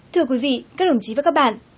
thưa quý vị các đồng chí và các bạn